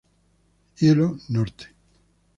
Hielo Norte